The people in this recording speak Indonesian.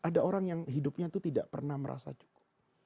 ada orang yang hidupnya itu tidak pernah merasa cukup